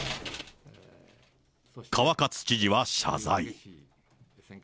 川勝知事は謝罪。